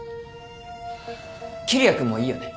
桐矢君もいいよね？